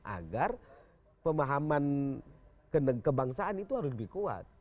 agar pemahaman kebangsaan itu harus lebih kuat